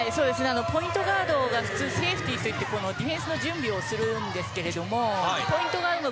ポイントガードがセーフティーといってディフェンスの準備をするんですけれどもポイントガード